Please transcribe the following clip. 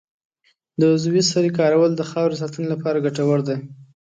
د عضوي سرې کارول د خاورې د ساتنې لپاره ګټور دي.